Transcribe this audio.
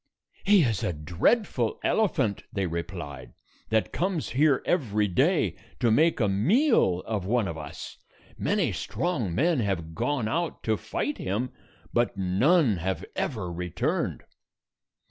"He is a dreadful elephant," they replied, "that comes here every day to make a meal of one of us. Many strong men have gone out to fight him, but none have ever returned."